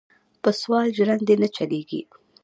پۀ سوال ژرندې نۀ چلېږي.